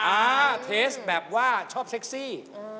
อ่าเทสแบบว่าชอบเซ็กซี่